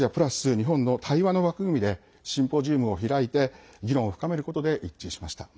日本の対話の枠組みでシンポジウムを開いて議論を深めることで一致しました。